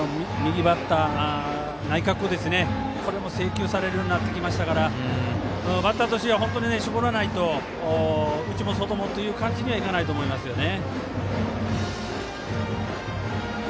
右バッター、内角これも制球されるようになってきましたからバッターとしては本当に絞らないと内も外もという感じにはいかないと思いますね。